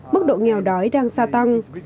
mức độ nghèo đói đang xa tăng